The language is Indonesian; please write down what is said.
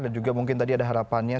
dan juga mungkin tadi ada harapannya